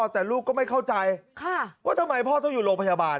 แต่ลูกก็ไม่เข้าใจว่าทำไมพ่อต้องอยู่โรงพยาบาล